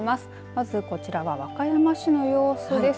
まずこちらは和歌山市の様子です。